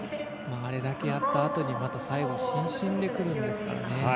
あれだけやったあとにまた最後伸身で来るんですからね。